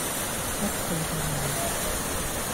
一句到尾